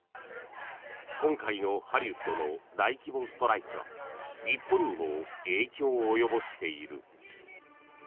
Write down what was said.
今回のハリウッドの大規模ストライキは日本にも影響を及ぼしている。